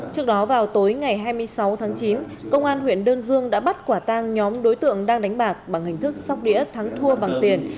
trước đó vào tối ngày hai mươi sáu tháng chín công an huyện đơn dương đã bắt quả tang nhóm đối tượng đang đánh bạc bằng hình thức sóc đĩa thắng thua bằng tiền